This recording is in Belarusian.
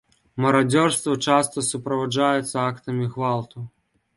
Марадзёрства часта суправаджаецца актамі гвалту.